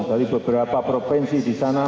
dari beberapa provinsi di sana